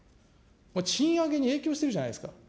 賃上げに影響してるじゃないですか。